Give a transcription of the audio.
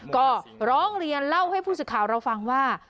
ก็ร้องเรียนเล่าให้ผู้สื่อข่าวเราฟังว่า